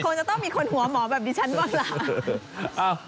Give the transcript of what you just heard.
คงจะต้องมีคนหัวหมอแบบดิฉันบ้างล่ะ